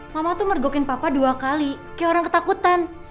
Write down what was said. mama tuh mergokin papa dua kali kayak orang ketakutan